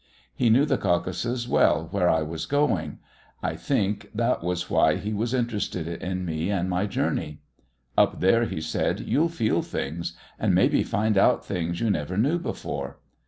He knew the Caucasus well where I was going. I think that was why he was interested in me and my journey. "Up there," he said, "you'll feel things and maybe find out things you never knew before."